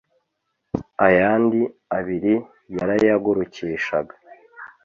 ayandi abiri yarayagurukishaga